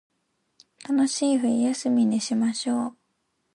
楽しい冬休みにしましょう